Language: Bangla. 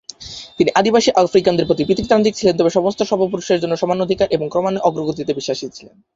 তিনি আদিবাসী আফ্রিকানদের প্রতি পিতৃতান্ত্রিক ছিলেন, তবে "সমস্ত সভ্য পুরুষের জন্য সমান অধিকার" এবং ক্রমান্বয়ে অগ্রগতিতে বিশ্বাসী ছিলেন।